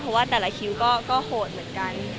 เพราะว่าแต่ละคิวก็โหดเหมือนกัน